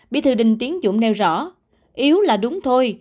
bị thừa định tiến dũng nêu rõ yếu là đúng thôi